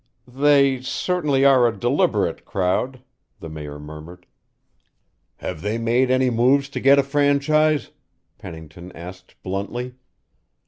"They certainly are a deliberate crowd," the Mayor murmured. "Have they made any move to get a franchise?" Pennington asked bluntly.